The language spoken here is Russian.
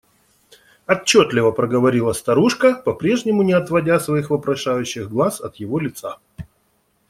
Отчетливо проговорила старушка, по-прежнему не отводя своих вопрошающих глаз от его лица.